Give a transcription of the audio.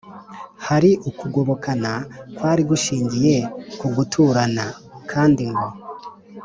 Hari ukugobokana kwari gushingiye ku guturana (kandi ngo